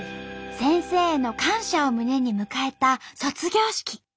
先生への感謝を胸に迎えた卒業式。